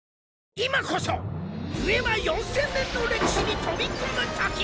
今こそデュエマ４０００年の歴史に飛び込むとき。